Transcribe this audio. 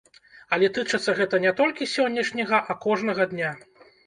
Але тычыцца гэта не толькі сённяшняга, а кожнага дня.